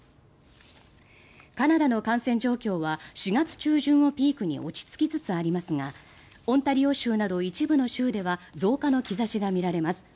カナダの感染状況は４月中旬をピークに落ち着きつつありますがオンタリオ州など一部の州では増加の兆しが見られます。